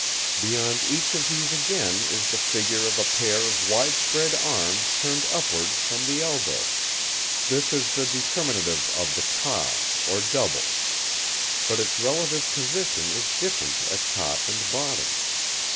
Beyond each of these again is the figure of a pair of widespread arms turned upwards from the elbow; this is the determinative of the 'Ka' or 'Double'. But its relative position is different at top and bottom.